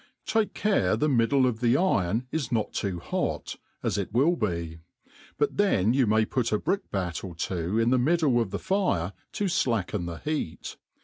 Take care the middle of the iron is not too hot, as if will be;, but then you may put a brick bat or two in ttie middle of the fire to flacken the heat.